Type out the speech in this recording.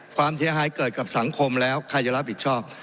ความเสียหายเกิดกับสังคมแล้วใครจะรับผิดชอบ